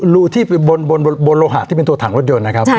รูที่ไปบนโลหะที่เป็นตัวถังรถยนต์นะครับ